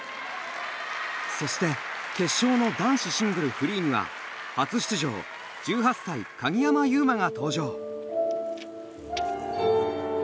そして決勝の男子シングル、フリーには初出場、１８歳鍵山優真が登場。